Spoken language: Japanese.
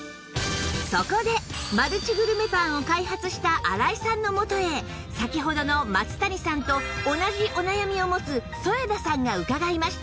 そこでマルチグルメパンを開発した荒井さんの元へ先ほどの松谷さんと同じお悩みを持つ添田さんが伺いました